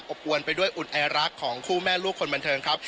อวนไปด้วยอุ่นไอรักของคู่แม่ลูกคนบันเทิงครับ